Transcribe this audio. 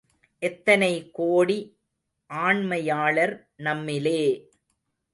எத்தனை கோடி ஆண்மையாளர், நம்மிலே!